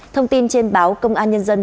thông tin trên báo công an nhân dân